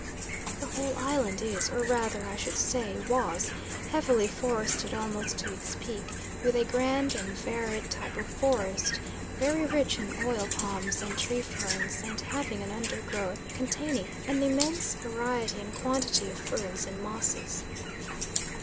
The whole island is, or rather I should say was, heavily forested almost to its peak, with a grand and varied type of forest, very rich in oil palms and tree ferns, and having an undergrowth containing an immense variety and quantity of ferns and mosses.